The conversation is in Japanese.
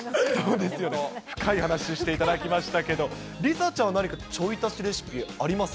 深い話、していただきましたけれども、梨紗ちゃんは何かちょい足しレシピあります？